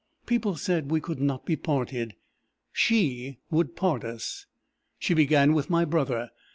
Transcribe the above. People said we could not be parted: she would part us! She began with my brother.